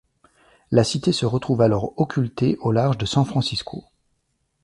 La cité se retrouve alors occultée au large de San Francisco.